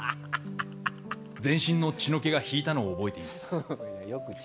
全身の血の気が引いたのを覚えています。